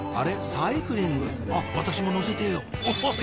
サイクリングあっ私も乗せてよおっ！